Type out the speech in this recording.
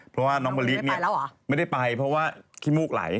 เพราะว่าน้องมะลิเนี่ยไม่ได้ไปเพราะว่าขี้มูกไหล